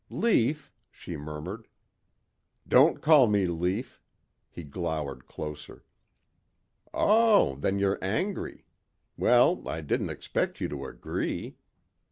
"Lief," she murmured. "Don't call me Lief...." He glowered closer. "Oh! Then you're angry. Well, I didn't expect you to agree."